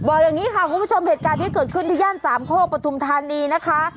บอกอย่างนี้ค่ะคุณผู้ชมเหตุการณ์ที่เกิดขึ้นที่ย่านสามโคกปฐุมธานีนะคะ